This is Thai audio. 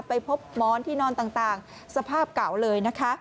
ไปพบหมอนที่นอนต่างสภาพเก่าเลยนะคะ